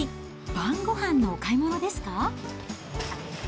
晩ごはんのお買い物ですか？